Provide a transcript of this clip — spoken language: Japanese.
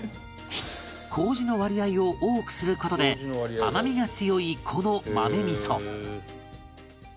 麹の割合を多くする事で甘みが強いこの豆味噌